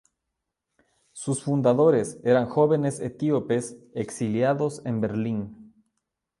Sus fundadores eran jóvenes etíopes exiliados en Berlín.